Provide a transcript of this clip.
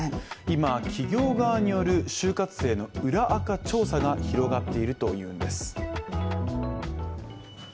今、企業側による就活生の裏アカ調査が広がっているというんです。